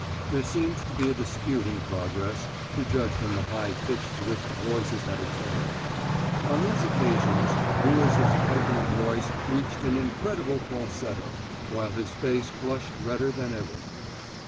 There seemed to be a dispute in progress, to judge from the high pitch to which the voices had attained. On these occasions Lewis' piping voice reached an incredible falsetto, while his face flushed redder than ever.